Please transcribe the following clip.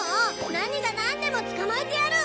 何がなんでも捕まえてやる！